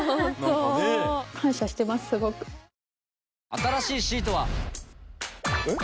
新しいシートは。えっ？